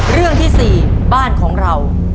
เรื่องที่๔บ้านของเรา